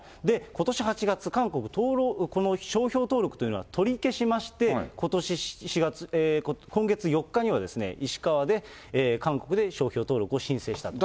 ことし８月、この商標登録というのは取り消しまして、今月４日には、石川で、韓国で商標登録を申請したと。